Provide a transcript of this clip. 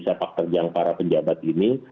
sepak terjang para pejabat ini